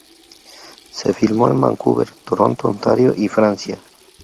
Se filmó en Vancouver, Toronto, Ontario y Francia.